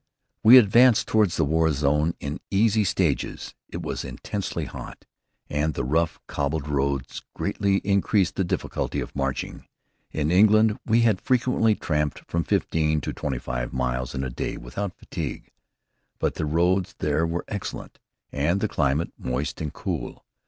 We advanced toward the war zone in easy stages. It was intensely hot, and the rough, cobbled roads greatly increased the difficulty of marching. In England we had frequently tramped from fifteen to twenty five miles in a day without fatigue. But the roads there were excellent, and the climate moist and cool.